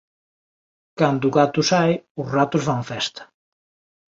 Cando o gato sae os ratos fan a festa.